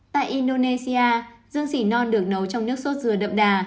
tại indonesia dương sỉ non được nấu trong nước sốt dừa đậm đà